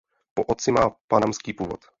Po otci má panamský původ.